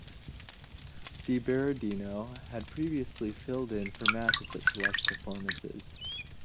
DiBerardino had previously filled in for Mathis at select performances.